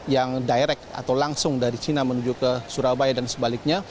yang langsung dari cina menuju ke surabaya dan sebaliknya